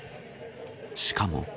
しかも。